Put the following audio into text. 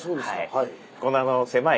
はい。